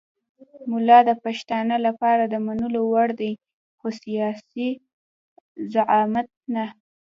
ملا د پښتانه لپاره د منلو وړ دی خو سیاسي زعامت نه.